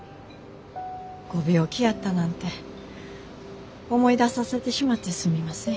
ご病気やったなんて思い出させてしまってすみません。